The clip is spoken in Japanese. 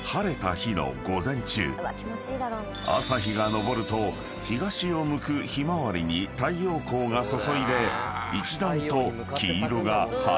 ［朝日が昇ると東を向くひまわりに太陽光が注いで一段と黄色が映えるんだそう］